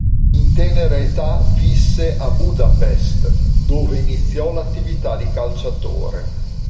In tenera età visse a Budapest, dove iniziò l'attività di calciatore.